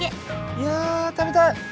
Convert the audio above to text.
いや食べたい！